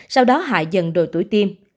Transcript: sau đó hại dần đổi tuổi tiêm